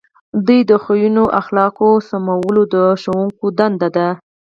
د دوی د خویونو او اخلاقو سمول د ښوونکو دنده ده.